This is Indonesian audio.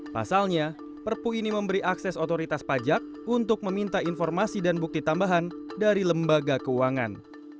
pasalnya perpu ini memberi akses otoritas pajak untuk meminta informasi dan bukti tambahan dari lembaga keuangan